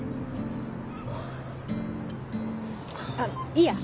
あっいいや。